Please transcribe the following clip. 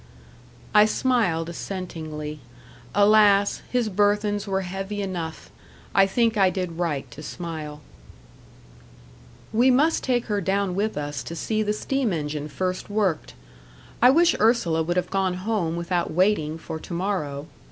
I smiled assentingly. Alas! his burthens were heavy enough! I think I did right to smile. "We must take her down with us to see the steam engine first worked. I wish Ursula would have gone home without waiting for to morrow.